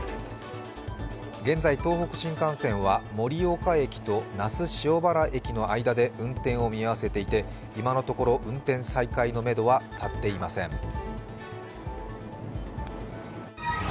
現在、東北新幹線は盛岡駅と那須塩原駅の間で運転を見合わせていて、今のところ運転の再開のめどは立っていません。